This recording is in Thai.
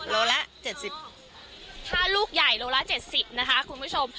โลละเจ็ดสิบถ้าลูกใหญ่โลละเจ็ดสิบนะคะคุณผู้ชม